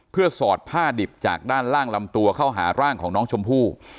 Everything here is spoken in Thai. เพื่อสอดผ้าดิบจากด้านล่างลำตัวเข้าหาร่างของน้องชมพู่